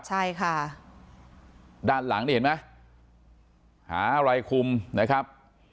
ใช่ค่ะด้านหลังนี่เห็นไหมหาอะไรคุมนะครับ